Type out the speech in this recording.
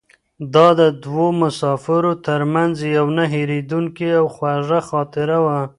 دا د دوو مسافرو تر منځ یوه نه هېرېدونکې او خوږه خاطره وه.